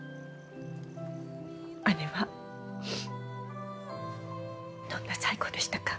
姉はどんな最期でしたか？